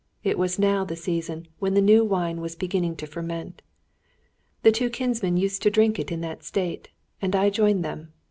It was now the season when the new wine was beginning to ferment. The two kinsmen used to drink it in that state, and I joined them.